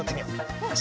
よし。